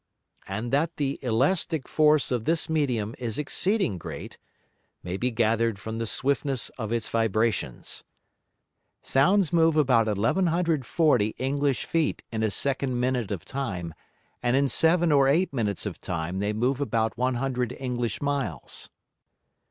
And that the elastick force of this Medium is exceeding great, may be gather'd from the swiftness of its Vibrations. Sounds move about 1140 English Feet in a second Minute of Time, and in seven or eight Minutes of Time they move about one hundred English Miles.